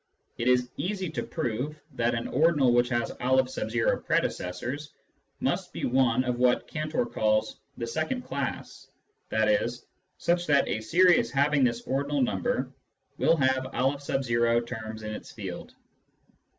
It is easy to prove that an ordinal which has M predecessors must be one of what Cantor calls the " second class," i.e. such that a series having this ordinal number will have N terms in its field.